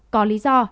có lý do